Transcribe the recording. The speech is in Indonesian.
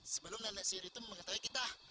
sebelum nenek sihir itu mengetahui kita